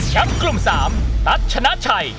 แชมป์กลุ่ม๓ตัดชนะชัย